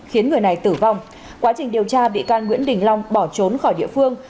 khiến người này tử vong quá trình điều tra bị can nguyễn đình long bỏ trốn khỏi địa phương